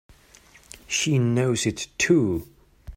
She knows it too!